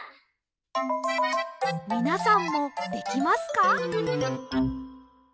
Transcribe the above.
みなさんもできますか？